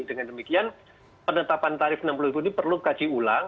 dengan demikian penetapan tarif rp enam puluh ini perlu kaji ulang